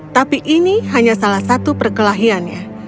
tapi ini hanya salah satu perkelahiannya